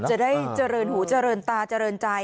จะได้เจริญหูเจริญตาเจริญใจ